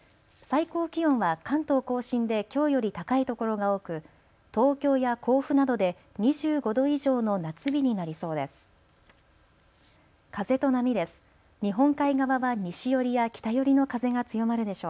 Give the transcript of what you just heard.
最高気温は関東甲信できょうより高い所が多く東京や甲府などで２５度以上の夏日になりそうです。